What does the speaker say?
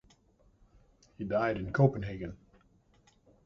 He died in Copenhagen.